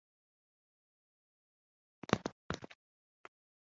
kimenye kijugunywe ku isi,